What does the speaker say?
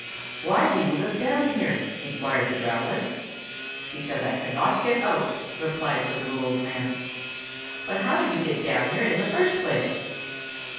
"Why do you live down here?" inquired the traveller. "Because I cannot get out," replied the little old man. "But how did you get down here in the first place?"